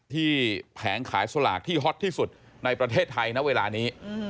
แผงขายสลากที่ฮอตที่สุดในประเทศไทยณเวลานี้